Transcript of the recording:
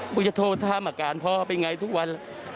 กูจะโทรถามอาการพ่อเป็นไงทุกวัน